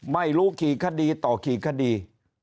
ไม่รู้คีย์คดีต่อคีย์คดี